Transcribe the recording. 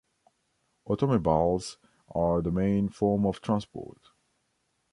Automobiles are the main form of transport.